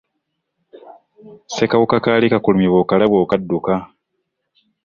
Ssekawuka kaali kakulumye bwokalaba nga okadduka .